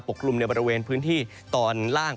กลุ่มในบริเวณพื้นที่ตอนล่าง